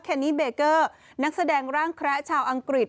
แนนี่เบเกอร์นักแสดงร่างแคระชาวอังกฤษ